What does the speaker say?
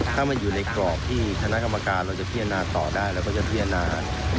ถ้ามันอยู่ในกรอบที่คณะกรรมการเราจะพิจารณาต่อได้เราก็จะพิจารณา